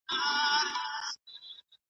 د پاڼې د بوټ په غټه ګوته کې سوری دی.